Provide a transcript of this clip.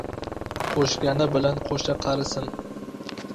— Qo‘shgani bilan qo‘sha qarisin.